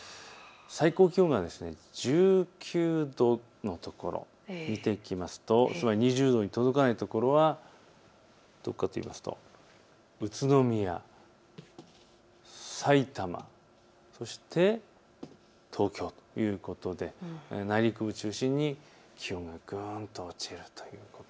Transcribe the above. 最高気温は１９度の所、見ていきますと２０度に届かないところはどこかといいますと宇都宮、さいたま、そして東京ということで内陸部を中心に気温がぐんと落ちる。